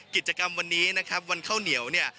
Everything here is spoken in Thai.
กิจกรรมวันนี้นะครับวันข้าวเหนียวเนี่ย